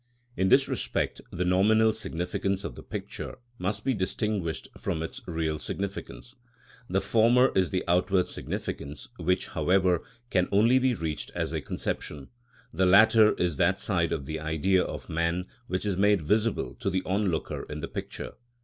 In this respect the nominal significance of the picture must be distinguished from its real significance. The former is the outward significance, which, however, can only be reached as a conception; the latter is that side of the Idea of man which is made visible to the onlooker in the picture.